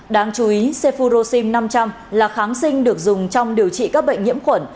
đáng chú ý cepuroxim năm trăm linh là kháng sinh được dùng trong điều trị các bệnh nhiễm khuẩn